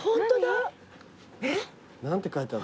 何て書いてある？